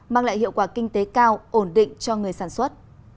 mang lại hiệu quả kinh tế cao ổn định cho người sản xuất